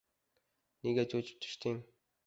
Nega cho‘chib tushding?